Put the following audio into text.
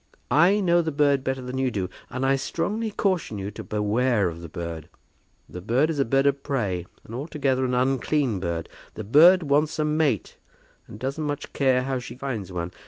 I know the bird better than you do, and I strongly caution you to beware of the bird. The bird is a bird of prey, and altogether an unclean bird. The bird wants a mate and doesn't much care how she finds one.